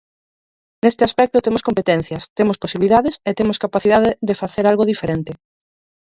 Neste aspecto temos competencias, temos posibilidades e temos capacidade de facer algo diferente.